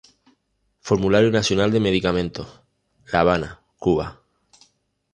Formulario Nacional de Medicamentos, La Habana, Cuba.